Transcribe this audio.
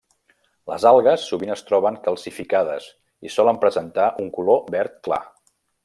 Les algues sovint es troben calcificades i solen presentar un color verd clar.